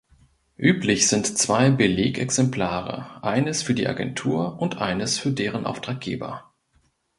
Üblich sind zwei Belegexemplare, eines für die Agentur und eines für deren Auftraggeber.